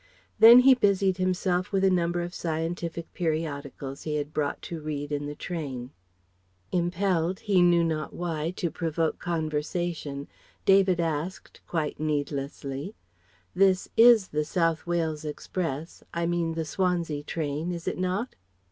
Then he busied himself with a number of scientific periodicals he had brought to read in the train. Impelled, he knew not why, to provoke conversation, David asked (quite needlessly), "This is the South Wales express, I mean the Swansea train, is it not?"